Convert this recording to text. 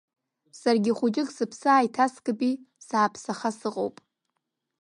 Саргьы хәыҷык сыԥсы ааиҭаскпи, сааԥсаха сыҟоуп.